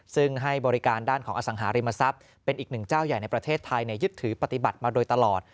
ซึ่งให้บริการด้านของอสังหาริมทรัพย์เป็นอีกหนึ่งเจ้าใหญ่ในประเทศไทยยึดถือปฏิบัติมาโดยตลอด